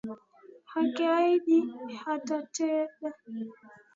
Akiahidi atatenda